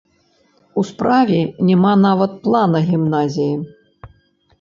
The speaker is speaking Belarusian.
У справе няма нават плана гімназіі.